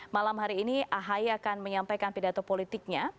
malam hari ini ahy akan menyampaikan pidato politiknya